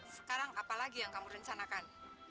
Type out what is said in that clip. sekarang apa lagi yang kamu rencanakan